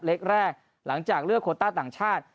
เล็กแรกหลังจากเลือกโคต้าต่างชาติ